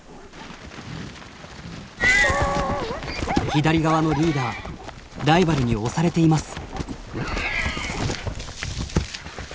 左側のリーダーライバルに押されています。